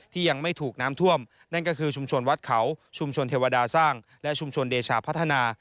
ที่ยังไม่ถูกน้ำท่วมนั่นก็คือชุมชนวัดเขาชุมชนเทวดาสร้างและชุมชนเดชาพัฒนา